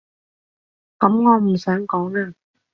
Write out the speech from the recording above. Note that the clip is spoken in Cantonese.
噉我唔想講啊